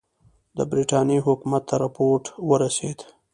د برټانیې حکومت ته رپوټ ورسېد.